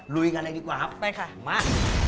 ลุยกันเลยดีกว่าครับไปค่ะมา